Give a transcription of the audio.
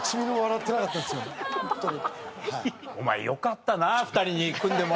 お前よかったな２人に組んでもらえて。